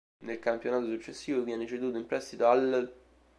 Nel campionato successivo viene ceduto in prestito all'.